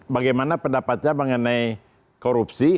bagaimana pendapatnya mengenai korupsi